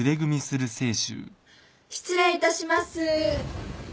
・失礼いたします。